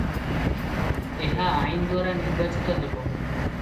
ଏହା ଆଇନଦ୍ୱାରା ନିର୍ବାଚିତ ହେବ ।